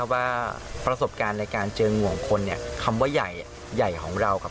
ว่าประสบการณ์ในการเจอง่วงคนเนี่ยคำว่าใหญ่ของเรากับ